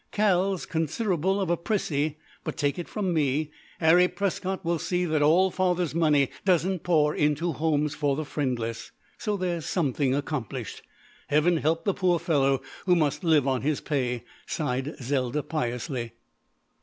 "Cal's considerable of a prissy, but take it from me, Harry Prescott will see that all father's money doesn't pour into homes for the friendless so there's something accomplished. Heaven help the poor fellow who must live on his pay," sighed Zelda piously.